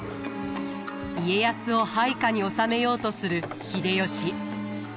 家康を配下に収めようとする秀吉。